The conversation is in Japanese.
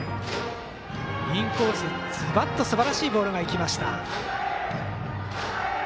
インコース、ズバッとすばらしいボールが行きました。